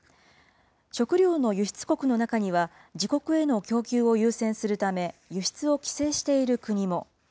食料の輸出国の中には、自国への供給を優先するため輸出を規制している国も。